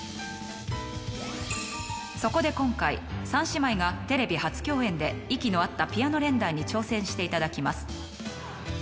そこで今回３姉妹がテレビ初共演で息の合ったピアノ連弾に挑戦していただきます。